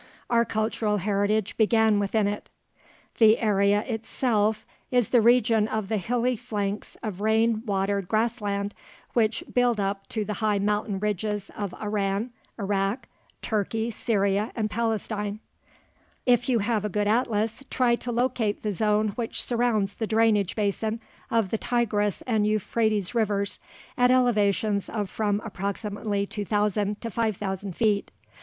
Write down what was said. Our cultural heritage began within it. The area itself is the region of the hilly flanks of rain watered grass land which build up to the high mountain ridges of Iran, Iraq, Turkey, Syria, and Palestine. The map on page 125 indicates the region. If you have a good atlas, try to locate the zone which surrounds the drainage basin of the Tigris and Euphrates Rivers at elevations of from approximately 2,000 to 5,000 feet.